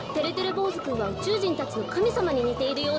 ぼうずくんはうちゅうじんたちのかみさまににているようですね。